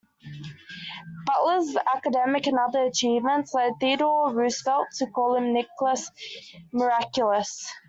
Butler's academic and other achievements led Theodore Roosevelt to call him Nicholas Miraculous.